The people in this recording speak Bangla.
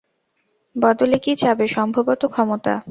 বদলে কি চাবে, সম্ভবত, ক্ষমতা?